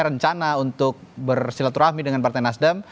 rencana untuk bersilaturahmi dengan partai nasdem